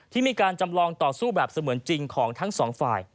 ที่มีการจำลองต่อสู้แบบเสมือนจริงของทั้งสองฝ่าย